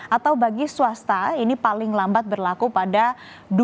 atau bagi swasta ini paling lambat berlaku pada dua ribu dua puluh